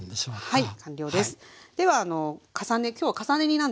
はい。